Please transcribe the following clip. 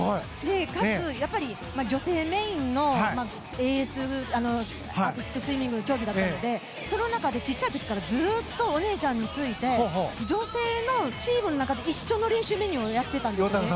かつ、女性メインのＡＳアーティスティックスイミングの競技だったのでその中で小さい時からずっとお姉ちゃんについて女性のチームの中で一緒の練習メニューをやってたんです。